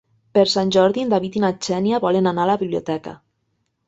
Per Sant Jordi en David i na Xènia volen anar a la biblioteca.